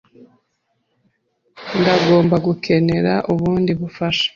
ntagomba gukenera ubundi bufasha.